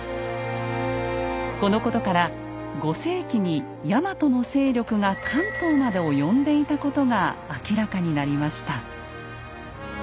このことから５世紀にヤマトの勢力が関東まで及んでいたことが明らかになりました。